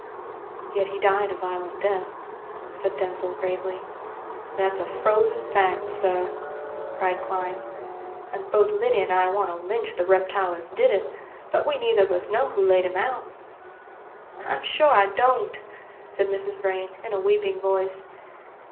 "Yet he died a violent death," said Denzil gravely. "That's a frozen fact, sir," cried Clyne, "and both Lyddy and I want to lynch the reptile as did it; but we neither of us know who laid him out." "I'm sure I don't," said Mrs. Vrain in a weeping voice.